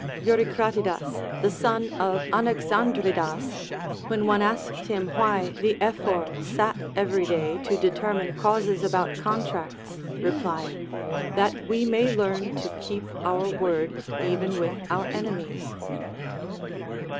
Eurycratidas the son of Anaxandridas, when one asked him why the Ephor sat every day to determine canses abont contracts, rephed. That Λνβ may learn to keep our word even with our enemies.